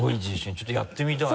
ちょっとやってみたい。